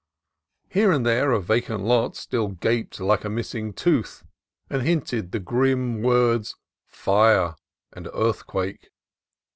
Here and there a vacant lot still gaped like a missing tooth, and hinted the grim words, Fire, and Earthquake.